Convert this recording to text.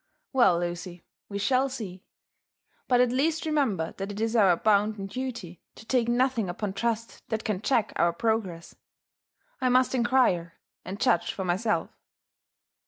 " Well, I^ucy, we shall see. But at least rememher that it is our bounden duty to take nothing upon trust that can check our progress. I must inquire, and judge for myself."